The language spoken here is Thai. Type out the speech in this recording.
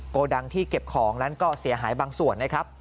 โกดังที่เก็บของนั้นก็เสียหายบางส่วนนะครับ